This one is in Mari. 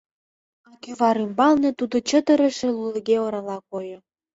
А кӱвар ӱмбалне тудо чытырыше лулеге орала койо.